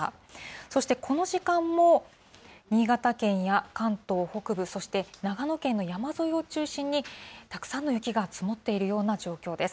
そしてこの時間も、新潟県や関東北部、そして長野県の山沿いを中心に、たくさんの雪が積もっているような状況です。